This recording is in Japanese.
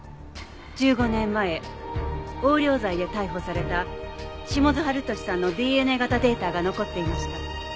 １５年前横領罪で逮捕された下津晴稔さんのＤＮＡ型データが残っていました。